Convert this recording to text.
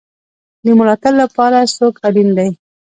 د ملاتړ لپاره څوک اړین دی؟